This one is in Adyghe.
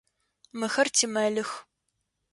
Мыхэр тимэлих.